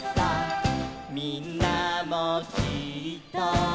「みんなもきっと」